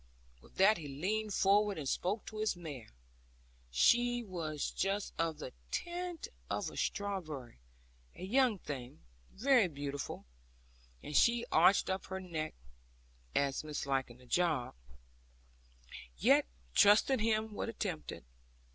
With that he leaned forward, and spoke to his mare she was just of the tint of a strawberry, a young thing, very beautiful and she arched up her neck, as misliking the job; yet, trusting him, would attempt it.